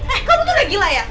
eh kamu tuh udah gila ya